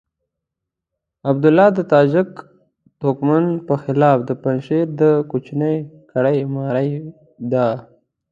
عبدالله د تاجک توکم پر خلاف د پنجشير د کوچنۍ کړۍ مرۍ ده.